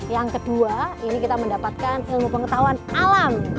yang kedua ini kita mendapatkan ilmu pengetahuan alam